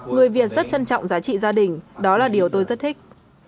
người việt rất trân trọng giá trị gia đình đó là điều tôi rất thích